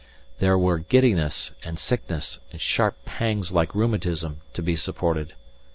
There were giddiness, and sickness, and sharp pangs like rheumatism, to be supported.